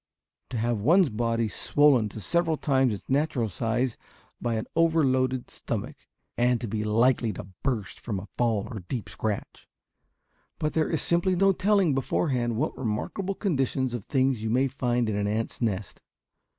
To have one's body swollen to several times its natural size by an overloaded stomach, and to be likely to burst from a fall or deep scratch! But there is simply no telling beforehand what remarkable condition of things you may find in an ant's nest.